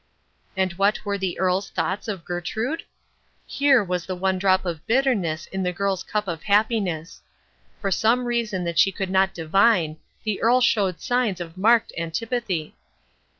And what were the Earl's thoughts of Gertrude? Here was the one drop of bitterness in the girl's cup of happiness. For some reason that she could not divine the Earl showed signs of marked antipathy.